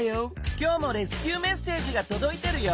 今日もレスキューメッセージがとどいてるよ。